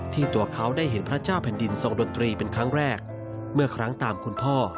ตัวเขาได้เห็นพระเจ้าแผ่นดินทรงดนตรีเป็นครั้งแรกเมื่อครั้งตามคุณพ่อ